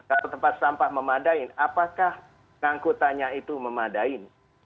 kalau tempat sampah memadain apakah ngangkutannya itu memadain